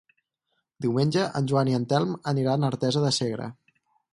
Diumenge en Joan i en Telm aniran a Artesa de Segre.